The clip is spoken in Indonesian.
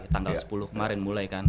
tanggal sepuluh kemarin mulai kan